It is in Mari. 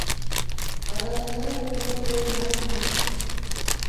Аралена родной элнам ме!